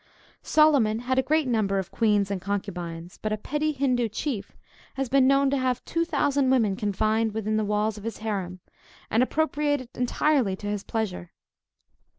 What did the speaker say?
Solomon had a great number of queens and concubines; but a petty Hindoo chief has been known to have two thousand women confined within the walls of his harem, and appropriated entirely to his pleasure.